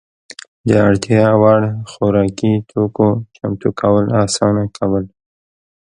د اړتیا وړ خوراکي توکو چمتو کول اسانه کول.